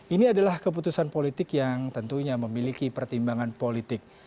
ini adalah keputusan politik yang tentunya memiliki pertimbangan politik